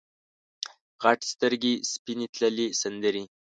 غټ سترګې سپینې تللې سندرې